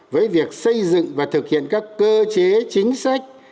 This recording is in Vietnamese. với việc xây dựng và thực hiện các cơ chế chính sách